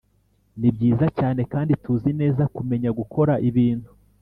nibyiza cyane kandi tuzi neza kumenya gukora ibintu.